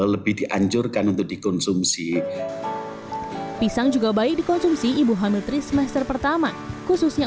lebih dianjurkan untuk dikonsumsi pisang juga baik dikonsumsi ibu hamil tri semester pertama khususnya